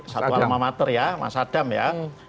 satu alma mater ya mas adam ya